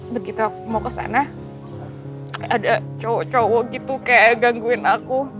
begitu mau ke sana ada cowok cowok gitu kayak gangguin aku